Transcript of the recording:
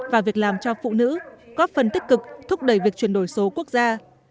và việc làm cho phụ nữ có phần tích cực thúc đẩy việc chuyển đổi số quốc gia